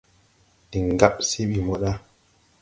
Ndi ŋgab se ɓi mo ɗa.